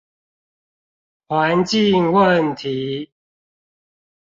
環境問題